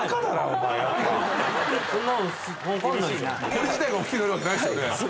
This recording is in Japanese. これ自体がおっきくなるわけじゃないですよね。